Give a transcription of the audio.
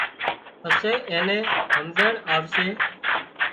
پسي اين نِين همزيڻ آوشي